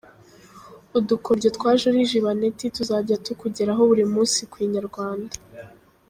Udukoryo twa Joriji Baneti tuzajya tukugeraho buri munsi ku inyarwanda.